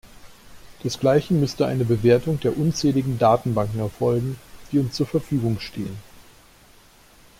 Desgleichen müsste eine Bewertung der unzähligen Datenbanken erfolgen, die uns zur Verfügung stehen.